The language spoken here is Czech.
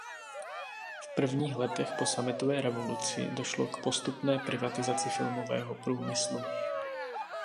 V prvních letech po sametové revoluci došlo k postupné privatizaci filmového průmyslu.